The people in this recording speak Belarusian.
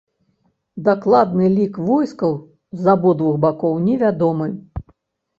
Дакладны лік войскаў з абодвух бакоў невядомы.